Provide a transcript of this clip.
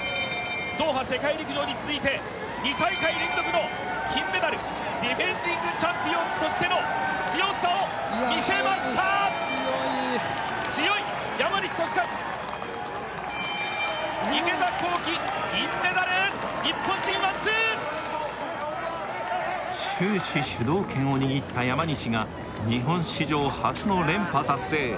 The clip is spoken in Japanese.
ドーハ世界陸上に続いて２大会連続の金メダルディフェンディングチャンピオンとしての強さを見せましたいや速い強い強い山西利和池田向希銀メダル日本人ワンツー終始主導権を握った山西が日本史上初の連覇達成